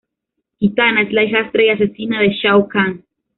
Kitana: Es la hijastra y asesina de Shao Kahn.